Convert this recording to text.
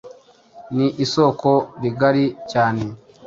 Ni isoko rigari cyane